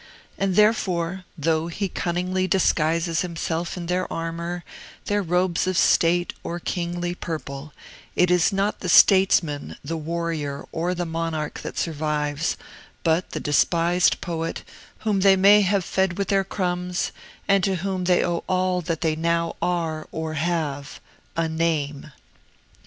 And therefore though he cunningly disguises himself in their armor, their robes of state, or kingly purple it is not the statesman, the warrior, or the monarch that survives, but the despised poet, whom they may have fed with their crumbs, and to whom they owe all that they now are or have, a name!